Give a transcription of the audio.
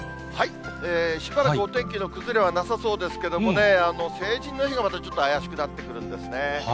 しばらくお天気の崩れはなさそうですけれどもね、成人の日がまたちょっと怪しくなってくるんですね。